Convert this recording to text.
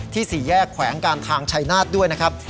สี่แยกแขวงการทางชัยนาธิ์ด้วยนะครับ